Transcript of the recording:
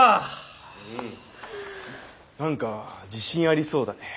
うん何か自信ありそうだね。